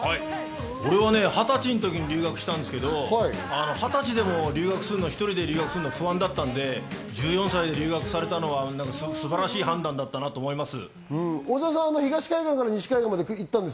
俺は２０歳の時に留学したんですけど、２０歳でも１人で留学するのは不安だったんで、１４歳で留学されたのは素晴らしい判断だったなって思います。